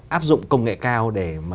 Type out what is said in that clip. áp dụng công nghệ cao để